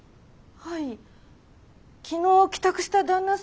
はい。